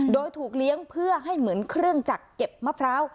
โดยถูกเลี้ยงเพื่อให้เหมือนเครื่องจักรเก็บมะพร้าว